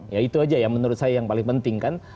ya itu aja ya menurut saya yang paling penting kan